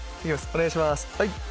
お願いします。